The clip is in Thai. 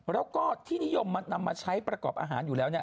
แล้วก็ที่นิยมนำมาใช้ประกอบอาหารอยู่แล้วเนี่ย